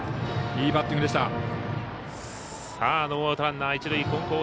いいバッティングでした。